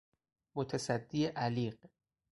متصدی علیق